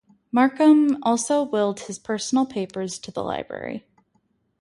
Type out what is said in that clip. Markham also willed his personal papers to the library.